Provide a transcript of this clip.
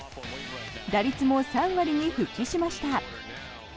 打率も３割に復帰しました。